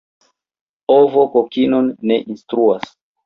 Ovo kokinon ne instruas.